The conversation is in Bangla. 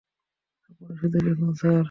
আপনি শুধু লিখুন, স্যার।